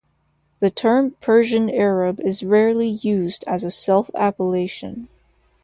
The term Persian Arab is rarely used as a self-appellation.